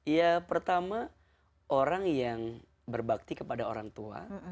ya pertama orang yang berbakti kepada orang tua